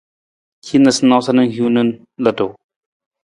Hin noosanoosa na hiwung na ludu.